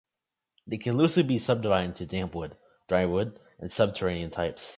They can loosely be subdivided into dampwood, drywood and subterranean types.